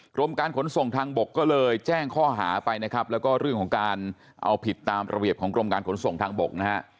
กรมการขนส่งทางบกก็เลยแจ้งข้อหาไปนะครับแล้วก็เรื่องของการเอาผิดตามระเบียบของกรมการขนส่งทางบกนะฮะ